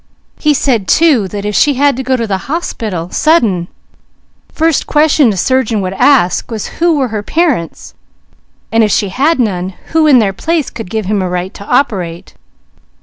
He said too, that if she had to go to the hospital, sudden, first question a surgeon would ask was who were her parents, and if she had none, who in their place could give him a right to operate.